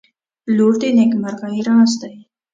• لور د نیکمرغۍ راز دی.